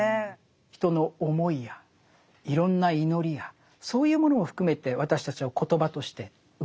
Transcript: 人の思いやいろんな祈りやそういうものを含めて私たちは言葉として受けている。